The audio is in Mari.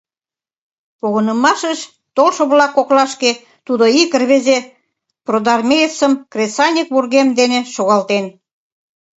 Погынымашыш толшо калык коклашке тудо ик рвезе продармеецым кресаньык вургем дене шогалтен.